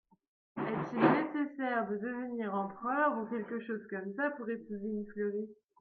Est-il nécessaire de devenir empereur, ou quelque chose comme ça, pour épouser une fleuriste ?